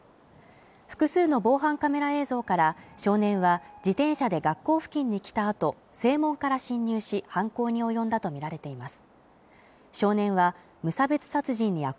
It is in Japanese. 複数の防犯カメラ映像から、少年は自転車で学校付近に来たあと、正門から侵入し、犯行に及んだとみられています。